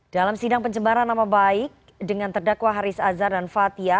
dalam sidang pencemaran nama baik dengan terdakwa haris azhar dan fathia